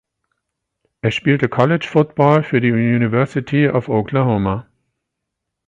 Er spielte College Football für die University of Oklahoma.